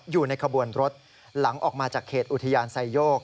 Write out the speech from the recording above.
อยู่ในขบวนรถหลังออกมาจากเขตอุทยานไซโยก